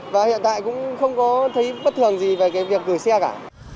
và hiện tại cũng không có thấy bất thường gì về cái việc gửi xe cả